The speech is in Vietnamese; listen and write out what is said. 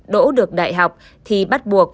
đỗ được đại học thì bắt buộc